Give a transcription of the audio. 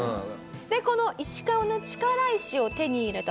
でこの『石川の力石』を手に入れたそばつぶさん